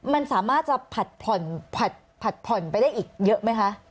มันสามารถจะผัดผ่อนไปได้อีกเยอะไหมคะ